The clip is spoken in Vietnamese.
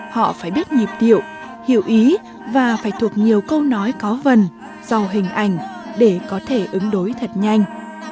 họ phải biết nhịp điệu hiểu ý và phải thuộc nhiều câu nói có vần giàu hình ảnh để có thể ứng đối thật nhanh